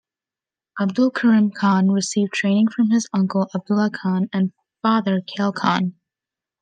Abdul Karim Khan received training from his uncle Abdullah Khan and father "Kale Khan".